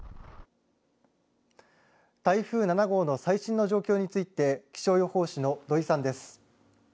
台風７号の最新の状況について気象予報士の土井さんです。